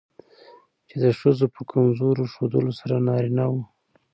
چې د ښځو په کمزور ښودلو سره نارينه وو